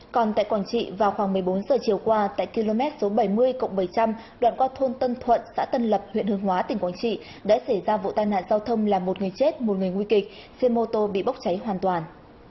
còn tại quảng trị vào khoảng một mươi bốn giờ chiều qua tại km số bảy mươi bảy trăm linh đoạn qua thôn tân thuận xã tân lập huyện hương hóa tỉnh quảng trị đã xảy ra vụ tai nạn giao thông làm một người chết một người nguy kịch xe mô tô bị bốc cháy hoàn toàn